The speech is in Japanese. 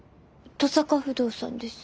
登坂不動産です。